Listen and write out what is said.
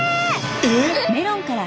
えっ！？